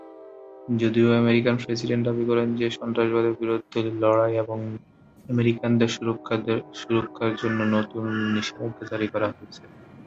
যদিও American president দাবি করেন যে সন্ত্রাসবাদের বিরুদ্ধে লড়াই এবং আমেরিকানদের সুরক্ষার জন্য নতুন নিষেধাজ্ঞা জারি করা হয়েছে।